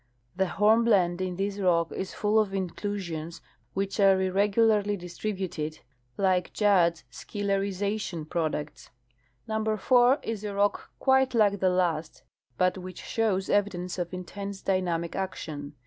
The hornblende in this rock is full of inclusions which are irregularly distributed, like Judd's " schillerization '' j)roducts. Number 4 is a rock quite like the last, but which shows evi donce of intense dynamic action.